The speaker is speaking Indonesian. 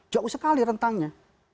jauh sekali rentangnya